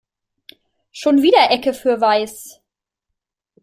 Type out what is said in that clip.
Schon wieder Ecke für Weiß.